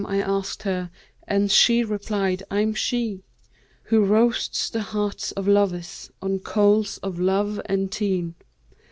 I asked her, and she replied, 'I'm she * Who roasts the hearts of lovers on coals of love and teen.'